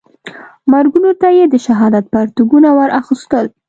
مرګونو ته یې د شهادت پرتګونه وراغوستل.